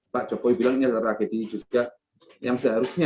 pak jokowi bilang ini adalah tragedi juga yang seharusnya